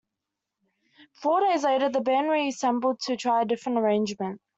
Four days later the band reassembled to try a different arrangement.